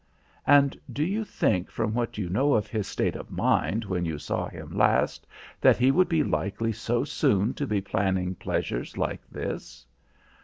"And do you think, from what you know of his state of mind when you saw him last, that he would be likely so soon to be planning pleasures like this?"